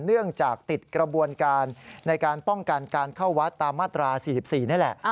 เนื่องจากติดกระบวนการในการป้องกันการเข้าวัดตามมาตรา๔๔นี่แหละ